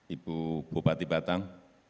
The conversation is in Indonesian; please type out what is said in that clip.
ibu bupati batang